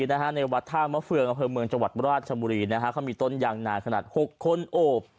ในวัดท่ามะเฟืองอำเภอเมืองจังหวัดราชบุรีเขามีต้นยางนาขนาด๖คนโอบ